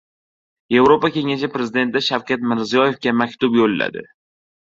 Yevropa Kengashi prezidenti Shavkat Mirziyoyevga maktub yo‘lladi